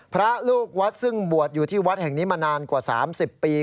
พระลูกวัดซึ่งบวชอยู่ที่วัดแห่งนี้มานานกว่า๓๐ปี